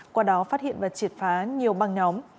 qua đó phát hiện và triệt phá nhiều băng nhóm